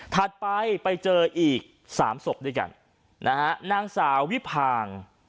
ไปไปเจออีกสามศพด้วยกันนะฮะนางสาววิพาง